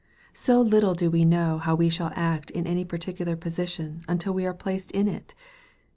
So little do we know how we shall act in any particular position until we are placed in it